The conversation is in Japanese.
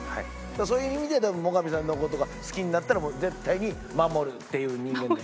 そういう意味で多分最上さんの事が好きになったらもう絶対に守るっていう人間なので。